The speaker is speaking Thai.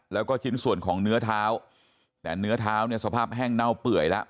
แล้วก็ชิ้นส่วนของเนื้อเท้าแต่เนื้อเท้าเนี่ยสภาพแห้งเน่าเปื่อยแล้ว